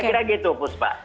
saya kira gitu prof pak